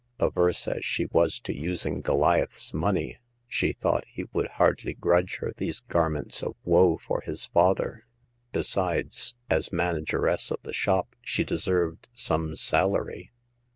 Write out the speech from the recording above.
Averse as she was to using Goliath's money, she thought he would hardly grudge her these gar ments of wo for his father. Besides, as man ageress of the shop, she deserved some salary.